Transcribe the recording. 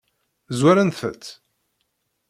Zwarent-tt?